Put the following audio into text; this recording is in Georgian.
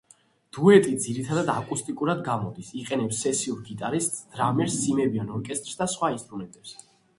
დუეტი ძირითადად აკუსტიკურად გამოდის, იყენებს სესიურ გიტარისტს, დრამერს, სიმებიან ორკესტრს და სხვა ინსტრუმენტებს.